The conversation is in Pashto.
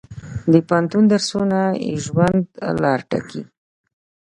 د پوهنتون درسونه د ژوند لاره ټاکي.